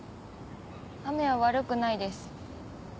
雨は悪くないです。